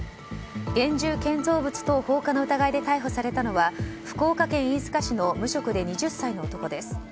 現住建造物等放火の疑いで逮捕されたのは福岡県飯塚市の無職で２０歳の男です。